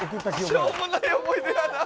しょうもない思い出やな。